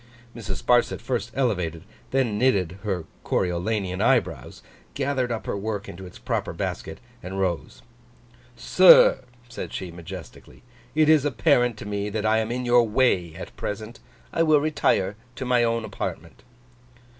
Mrs. Sparsit first elevated, then knitted, her Coriolanian eyebrows; gathered up her work into its proper basket; and rose. 'Sir,' said she, majestically. 'It is apparent to me that I am in your way at present. I will retire to my own apartment.